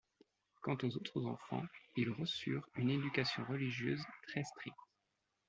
Quant aux autres enfants ils reçurent une éducation religieuse très stricte.